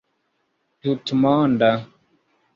tutmonda